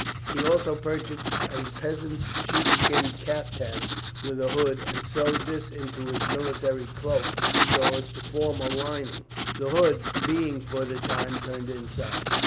He also purchased a peasant's sheep skin caftan with a hood, and sewed this into his military cloak so as to form a lining, the hood being for the time turned inside.